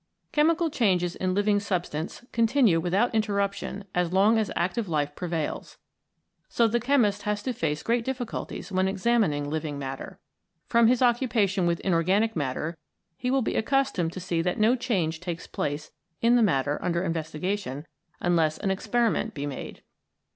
Chemical changes in living substance con tinue without interruption as long as active life prevails. So the chemist has to face great difficulties when examining living matter. From his occupation with inorganic matter he will be accustomed to see that no change takes place in 10 PROTOPLASM the matter under investigation unless an experi ment be made.